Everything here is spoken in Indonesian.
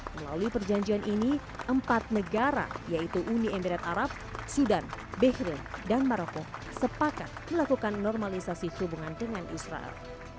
melalui perjanjian ini empat negara yaitu uni emirat arab sudan bekrain dan maroko sepakat melakukan normalisasi hubungan dengan israel